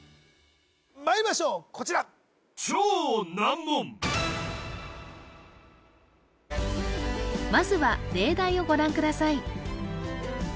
まいりましょうこちらまずは例題をご覧ください